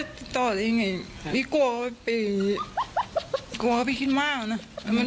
จะมามอบตัวเขายังไม่มากับแม่กลัวไปกลัวไปคิดมากนะมัน